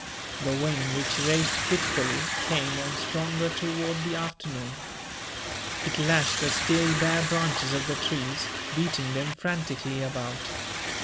The wind, which raged fitfully, came on stronger toward the afternoon. It lashed the still bare branches of the trees, beating them frantically about.